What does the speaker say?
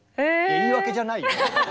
言い訳じゃないよ。